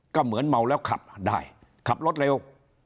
ก็เหมือนเมาแล้วขับได้ขับรถเร็ว